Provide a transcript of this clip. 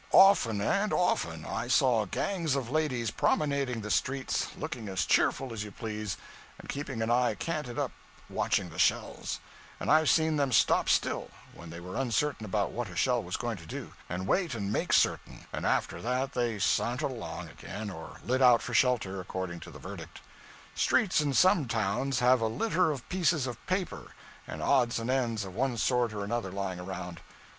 Often and often I saw gangs of ladies promenading the streets, looking as cheerful as you please, and keeping an eye canted up watching the shells; and I've seen them stop still when they were uncertain about what a shell was going to do, and wait and make certain; and after that they sa'ntered along again, or lit out for shelter, according to the verdict. Streets in some towns have a litter of pieces of paper, and odds and ends of one sort or another lying around.